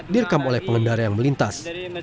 direkam oleh pengendara yang melintas